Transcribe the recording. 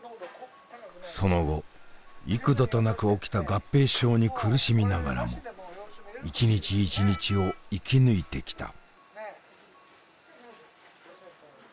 その後幾度となく起きた合併症に苦しみながらも一日一日を生き抜いてきた。